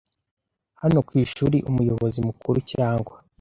hano kwishuri Umuyobozi mukuru cyangwa